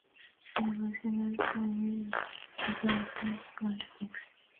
It was Senna's third win at the Monaco Grand Prix.